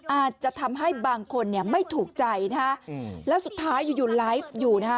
อาจจะทำให้บางคนเนี่ยไม่ถูกใจนะฮะแล้วสุดท้ายอยู่อยู่ไลฟ์อยู่นะฮะ